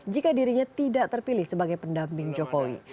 jika dirinya tidak terpilih sebagai pendamping jokowi